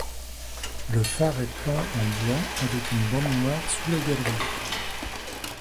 Le phare est peint en blanc avec une bande noire sous la galerie.